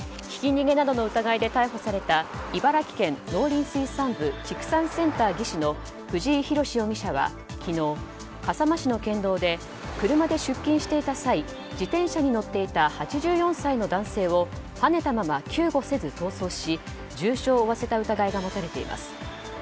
ひき逃げなどの疑いで逮捕された茨城県農林水産部畜産センター技師の藤井浩容疑者は昨日笠間市の県道で車で出勤していた際自転車に乗っていた８４歳の男性をはねたまま救護せず逃走し重傷を負わせた疑いが持たれています。